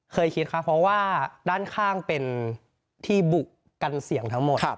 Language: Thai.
เคยคิดครับเพราะว่าด้านข้างเป็นที่บุกกันเสียงทั้งหมด